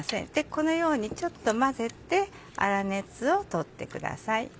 このようにちょっと混ぜて粗熱をとってください。